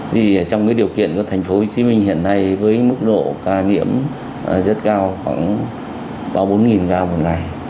thì trong điều kiện của tp hcm hiện nay với mức độ ca nhiễm rất cao khoảng ba mươi bốn ca một ngày